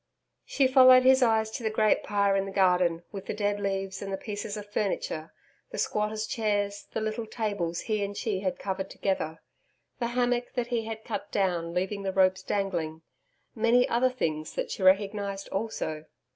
She followed his eyes to the great pyre in the garden, with the dead leaves, and the pieces of furniture, the squatters' chairs, the little tables he and she had covered together, the hammock that he had cut down leaving the ropes dangling many other things that she recognised also.